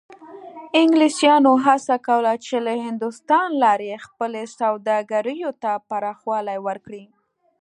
انګلیسانو هڅه کوله چې له هندوستان لارې خپلو سوداګریو ته پراخوالی ورکړي.